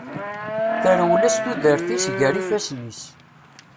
Terwel-as tudert-is gar ifasen-is.